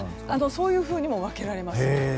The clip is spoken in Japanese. そういうふうにも分けられます。